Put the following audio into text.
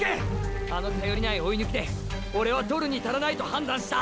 あの頼りない追い抜きでオレは取るに足らないと判断した。